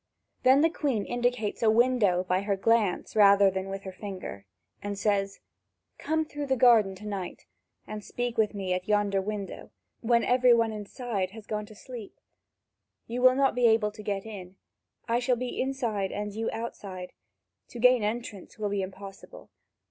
Then the Queen indicates a window by her glance rather than with her finger, and says: "Come through the garden to night and speak with me at yonder window, when every one inside has gone to sleep. You will not be able to get in: I shall be inside and you outside: to gain entrance will be impossible.